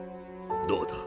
どうだ？